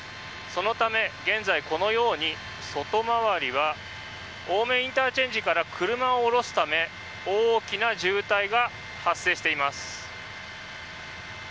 そのため、現在このように外回りは青梅ＩＣから車を降ろすため大きな渋滞が発生しています。